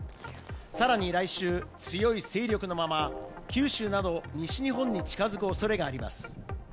さらに来週、強い勢力のまま九州など西日本に近づくおそれがあります。